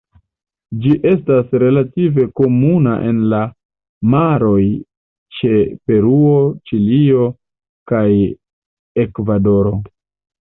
Ĝi estas relative komuna en la maroj ĉe Peruo, Ĉilio kaj Ekvadoro.